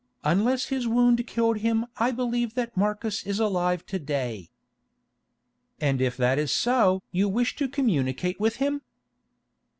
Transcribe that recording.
Unless his wound killed him I believe that Marcus is alive to day." "And if that is so you wish to communicate with him?"